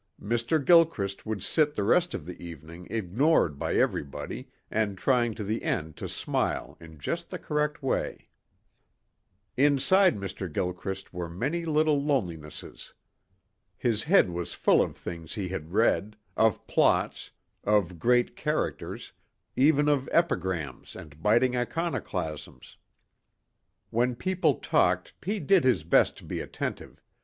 Mr. Gilchrist would sit the rest of the evening ignored by everybody and trying to the end to smile in just the correct way. Inside Mr. Gilchrist were many little lonelinesses. His head was full of things he had read, of plots, of great characters, even of epigrams and biting iconoclasms. When people talked he did his best to be attentive.